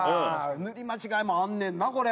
塗り間違えもあんねんなこれ。